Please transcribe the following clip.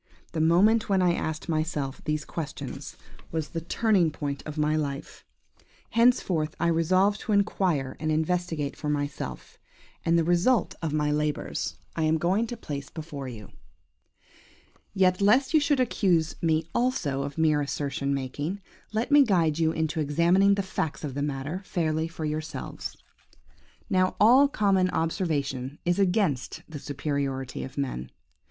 the moment when I asked myself these questions was the turning point of my life. Henceforth I resolved to inquire and investigate for myself, and the result of my labours I am going to place before you. "Yet, lest you should accuse me also of mere assertion making, let me guide you into examining the facts of the matter fairly for yourselves. "Now all common observation is against the superiority of man.